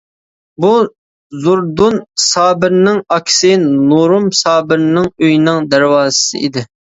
بۇ زوردۇن سابىرنىڭ ئاكىسى نۇرۇم سابىرنىڭ ئۆيىنىڭ دەرۋازىسى ئىدى.